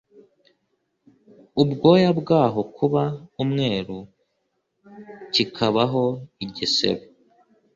Ubwoya bwaho kuba umweru kikabaho igisebe